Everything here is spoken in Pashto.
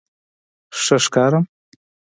_ښه ښکارم؟